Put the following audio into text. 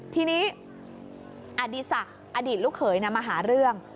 ทีนี้อดีศักดิ์อดีตลูกเขยมาหาเรื่อง